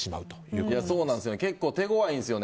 そうなんですよ。